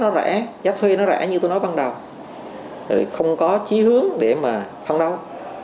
thì cũng từ nay nhà ở xã hội thuê nó rẻ như tôi nói ban đầu không có chí hướng để mà phát động